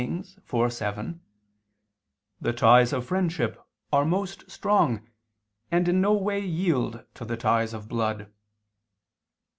iv 7): "The ties of friendship are most strong and in no way yield to the ties of blood."